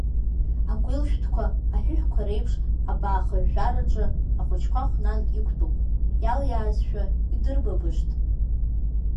Агәил-шәҭқәа, аҳәыҳәқәа реиԥш, абаа хыжәжәараҿы, ахәыҷқәа хәнан иқәтәоуп, иалиаазшәа, идырбабышт!